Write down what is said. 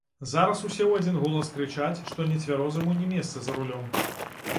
Зараз усе ў адзін голас крычаць, што нецвярозаму не месца за рулём.